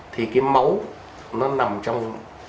thì cái máu nó nằm trong